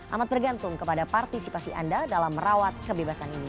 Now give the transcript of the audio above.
amat bergantung kepada partisipasi anda dalam merawat kebebasan ini